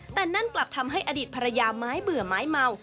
แต่นั่นกลับทำให้อดีตภรรยาไม้เบื่อไม้เมา